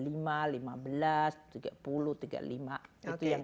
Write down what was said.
tiga puluh tiga puluh lima itu yang